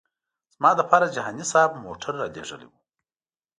زما لپاره جهاني صاحب موټر رالېږلی و.